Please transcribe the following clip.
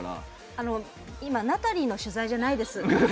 今、ナタリーの取材じゃないです。